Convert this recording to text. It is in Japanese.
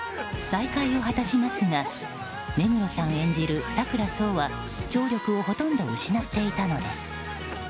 再会を果たしますが目黒さん演じる佐倉想は聴力をほとんど失っていたのです。